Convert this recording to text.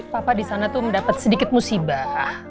papa disana tuh mendapat sedikit musibah